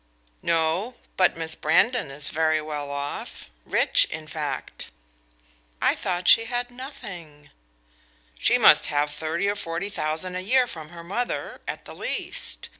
"No; but Miss Brandon is very well off rich, in fact." "I thought she had nothing." "She must have thirty or forty thousand a year from her mother, at the least.